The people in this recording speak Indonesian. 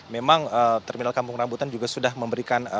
memang terminal kampung rambutan juga sudah memberikan